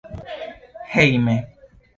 hejme